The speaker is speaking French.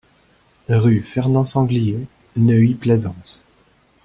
Rue Fernand Sanglier, Neuilly-Plaisance